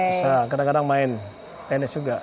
bisa kadang kadang main tenis juga